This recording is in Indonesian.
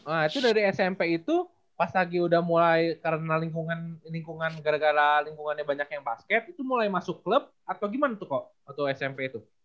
nah itu dari smp itu pas lagi udah mulai karena lingkungan gara gara lingkungannya banyak yang basket itu mulai masuk klub atau gimana tuh kok untuk smp itu